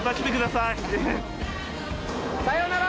さようなら。